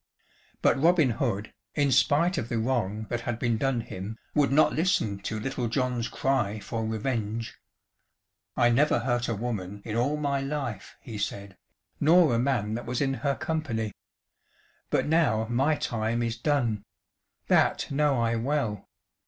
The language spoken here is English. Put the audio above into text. But Robin Hood, in spite of the wrong that had been done him, would not listen to Little John's cry for revenge. "I never hurt a woman in all my life," he said, "nor a man that was in her company. But now my time is done. That know I well.